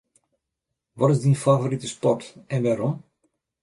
Wat is dyn favorite sport en wêrom?